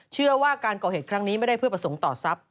เชื่อว่าการก่อเหตุครั้งนี้ไม่ได้เพื่อประสงค์ต่อทรัพย